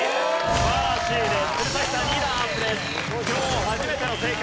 素晴らしいです。